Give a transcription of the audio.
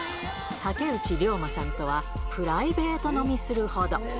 竹内涼真さんとは、プライベート飲みするほど。